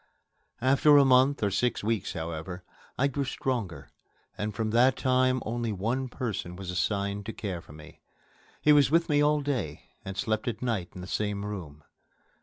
After a month or six weeks, however, I grew stronger, and from that time only one person was assigned to care for me. He was with me all day, and slept at night in the same room.